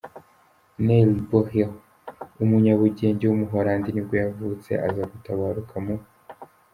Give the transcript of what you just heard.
Niels Bohr, umunyabugenge w’umuholandi nibwo yavutse aza gutabaruka mu .